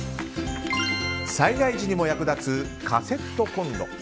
災害時にも役立つカセットコンロ。